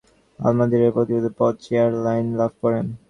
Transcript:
তিনি পরবর্তীতে আল-মনসূর এব আল-মাহদী এর প্রভাবশালী পদ চেম্বারলাইন লাভ করেন।